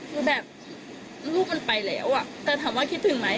คือแบบลูกมันไปแล้วอ่ะแต่ถามว่าคิดถึงไหม